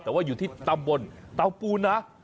แต่ว่าอยู่ที่ตำบลเตาปูนนะ